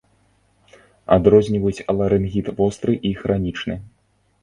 Адрозніваюць ларынгіт востры і хранічны.